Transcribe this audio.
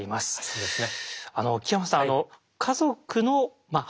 そうですよね。